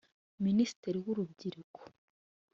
Minisitiri w ‘urubyiruko